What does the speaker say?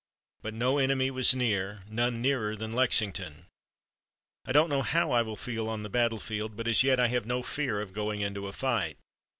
But no enemy was near, none nearer than Lexington. I don't know how I will feel on the battlefield, but as yet I have no fear of going into a fight.